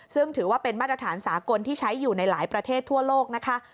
ซึ่งถือว่าเป็นมาตรฐานสากลที่ใช้อยู่ในหลายประเทศทั่วโลกนะคะ